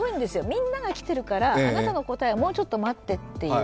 みんなが来てるから、あなたの答えはもうちょっと待ってという。